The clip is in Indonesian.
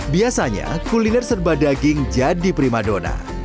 biasanya kuliner serba daging jadi prima dona